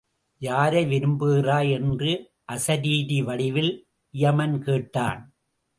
யாரை விரும்புகிறாய் என்று அசரீரி வடிவில் இயமன் கேட்டான்.